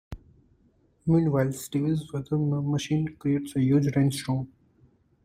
Meanwhile, Stewie's weather machine creates a huge rainstorm.